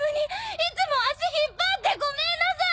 いつも足引っ張ってごめんなさい！